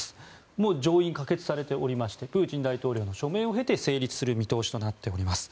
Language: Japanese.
もう上院で可決されておりましてプーチン大統領の署名を経て成立する見通しとなっています。